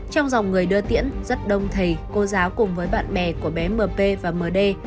trong dòng người đưa tiễn rất đông thầy cô giáo cùng với bạn bè của bé mp và md